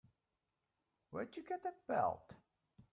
Where'd you get that belt?